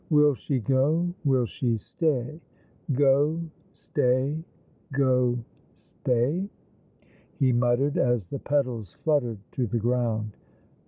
"Will she go— will she stay— go— stay — go — stay?" he muttered, as the petals flattered to the ground.